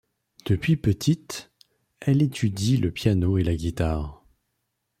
Depuis petite, elle étudie le piano et la guitare.